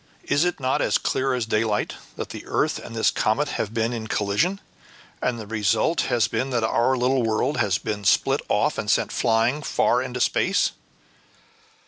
Is it not as clear as daylight that the earth and this comet have been in collision, and the result has been that our little world has been split off and sent flying far into space?"